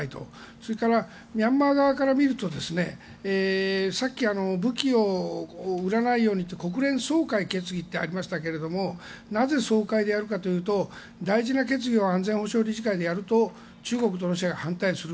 それからミャンマー側から見るとさっき武器を売らないようにと国連総会決議とありましたけれどもなぜ総会でやるかというと大事な決議を安全保障理事会でやると中国とロシアが反対する。